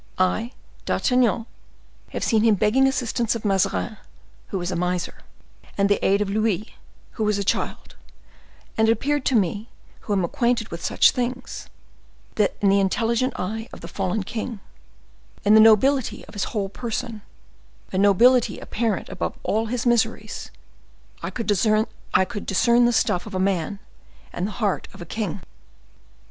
I, D'Artagnan, have seen him begging assistance of Mazarin, who is a miser, and the aid of Louis, who is a child, and it appeared to me, who am acquainted with such things, that in the intelligent eye of the fallen king, in the nobility of his whole person, a nobility apparent above all his miseries, I could discern the stuff of a man and the heart of a king."